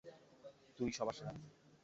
তুই সবার সেরা।